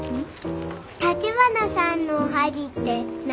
たちばなさんのおはぎって何？